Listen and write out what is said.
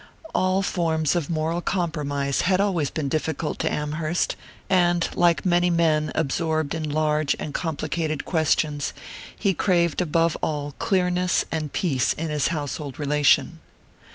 All forms of moral compromise had always been difficult to Amherst, and like many men absorbed in large and complicated questions he craved above all clearness and peace in his household relation.